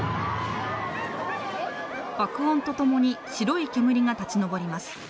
爆音とともに白い煙が立ち上ります。